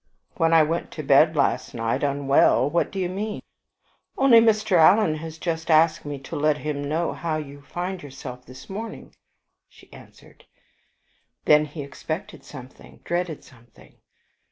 "When I went to bed last night? Unwell? What do you mean?" "Only Mr. Alan has just asked me to let him know how you find yourself this morning," she answered. Then he expected something, dreaded something.